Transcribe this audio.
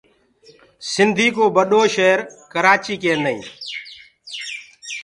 سنٚڌي ڪو ٻڏو شير ڪرآچيٚ ڪينٚدآئينٚ